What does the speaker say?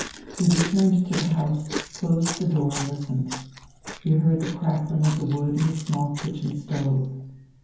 He returned into the house, closed the door and listened. He heard the crackling of the wood in the small kitchen stove.